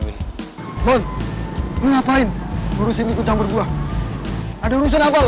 bon bon ngapain ngurusin ikut campur gua ada urusan apa lo